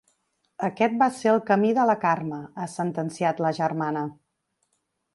Aquest va ser el camí de la Carme, ha sentenciat la germana.